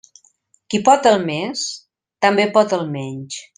Qui pot el més també pot el menys.